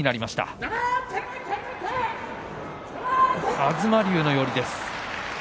東龍の寄りです。